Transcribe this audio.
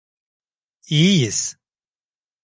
İyiyiz.